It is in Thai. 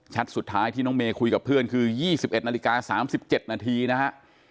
สุดท้ายที่น้องเมย์คุยกับเพื่อนคือ๒๑นาฬิกา๓๗นาทีนะฮะ